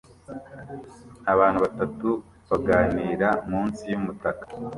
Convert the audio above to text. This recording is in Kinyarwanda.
Abantu batatu baganira munsi yumutaka